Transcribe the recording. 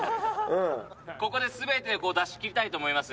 ここで全てを出し切りたいと思います。